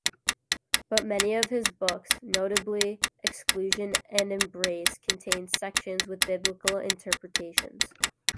But many of his books-notably "Exclusion and Embrace"-contain sections with biblical interpretations.